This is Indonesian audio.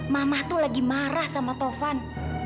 mama tuh lagi marah sama taufan